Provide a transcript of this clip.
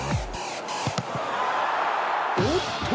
おっと。